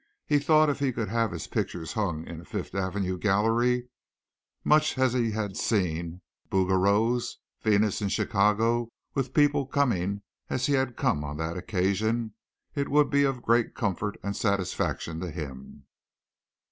He thought if he could have his pictures hung in a Fifth Avenue gallery much as he had seen Bouguereau's "Venus" in Chicago, with people coming as he had come on that occasion it would be of great comfort and satisfaction to him.